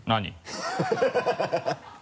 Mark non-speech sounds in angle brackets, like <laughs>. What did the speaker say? ハハハ <laughs>